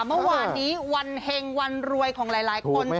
เมื่อวานนี้วันเฮงวันรวยของหลายคน